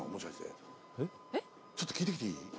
ちょっと聞いてきていい？